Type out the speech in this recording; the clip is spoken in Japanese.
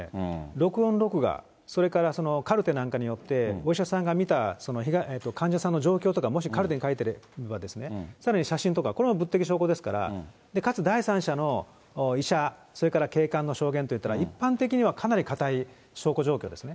録音、録画、それからカルテなんかによって、お医者さんが見た、患者さんの状況とか、もしカルテに書いてれば、さらに写真とか、こういうのは物的証拠ですから、かつ第三者の、医者、それから警官の証言といったら、一般的にはかなり固い証拠状況ですね。